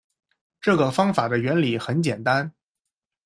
这个方法的原理很简单